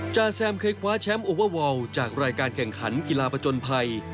จาแซมเคยคว้าแชมป์โอเวอร์วอลจากรายการแข่งขันกีฬาประจนภัย